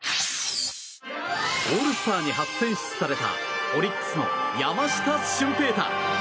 オールスターに初選出されたオリックスの山下舜平大。